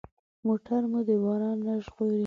موټر مو د باران نه ژغوري.